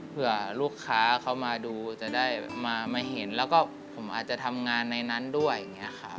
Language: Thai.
เพื่อลูกค้าเขามาดูจะได้มาเห็นแล้วก็ผมอาจจะทำงานในนั้นด้วยอย่างนี้ครับ